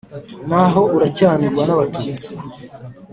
Naho uracyanigwa n'Abatutsi?"